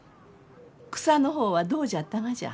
草の方はどうじゃったがじゃ？